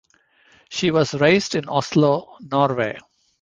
She was raised in Oslo, Norway.